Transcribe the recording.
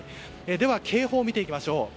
では、警報を見ていきましょう。